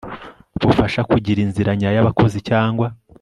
bufasha kugira inzira nyayo abakozi cyangwa